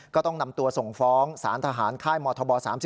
ก็ต้องนำตัวส่งฟ้องสารทหารค่ายมธบ๓๔